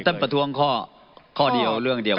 ท่านประทวงข้อเดียวเรื่องเดียวกัน